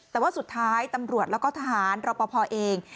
แต่ว่าสุดท้ายตำรวจแล้วก็ทหารรอปภเอง